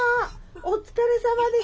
お疲れさまです。